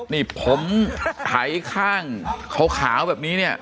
นี่ผมไถข้างขาวแบบนี้เนี่ย